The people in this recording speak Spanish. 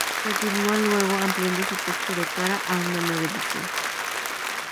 Continua luego ampliando su texto de cara a una nueva edición.